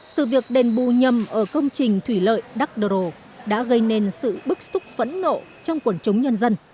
sự việc đền bù nhầm ở công trình thủy lợi đắk đổ đã gây nên sự bức xúc phẫn nộ trong quần chống nhân dân